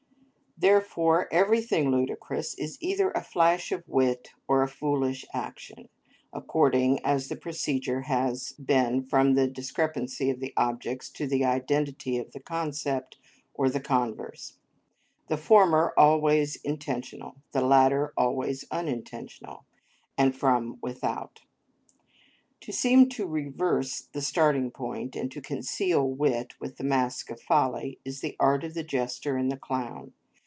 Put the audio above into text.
Therefore everything ludicrous is either a flash of wit or a foolish action, according as the procedure has been from the discrepancy of the objects to the identity of the concept, or the converse; the former always intentional, the latter always unintentional, and from without. To seem to reverse the starting point, and to conceal wit with the mask of folly, is the art of the jester and the clown.